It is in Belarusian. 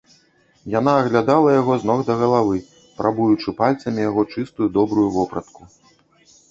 Яна аглядала яго з ног да галавы, прабуючы пальцамі яго чыстую, добрую вопратку.